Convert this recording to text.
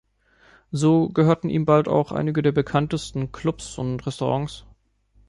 So gehörten ihm bald auch einige der bekanntesten Clubs und Restaurants.